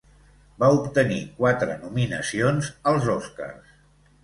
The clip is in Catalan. Va obtenir quatre nominacions als Oscars.